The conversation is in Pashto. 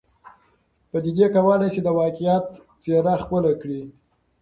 پدیدې کولای سي د واقعیت څېره خپل کړي.